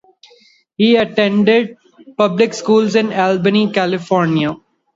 He attended public schools in Albany, California.